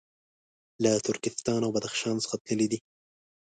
له ترکستان او بدخشان څخه تللي دي.